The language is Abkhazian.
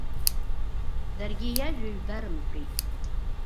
Даргьы иажәа ҩбарымтәит.